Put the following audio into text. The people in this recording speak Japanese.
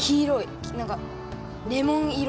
なんかレモン色。